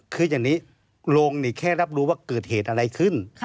คืออย่างนี้โรงนี่แค่รับรู้ว่าเกิดเหตุอะไรขึ้น